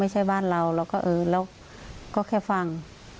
ไม่ใช่บ้านเราเราก็เออแล้วก็แค่ฟัง